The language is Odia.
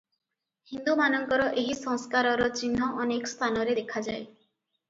ହିନ୍ଦୁମାନଙ୍କର ଏହି ସଂସ୍କାରର ଚିହ୍ନ ଅନେକ ସ୍ଥାନରେ ଦେଖାଯାଏ ।